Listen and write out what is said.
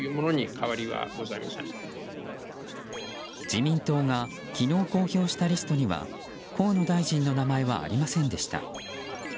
自民党が昨日公表したリストには河野大臣の名前はありませんでした。